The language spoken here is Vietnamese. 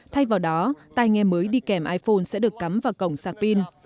thay vào đó tay nghe mới đi kèm iphone sẽ được cắm vào cổng sạc pin